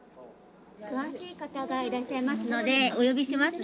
詳しい方がいらっしゃいますのでお呼びしますね。